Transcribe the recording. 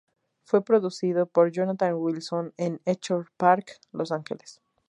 Fue producido por Jonathan Wilson en Echo Park, Los Ángeles.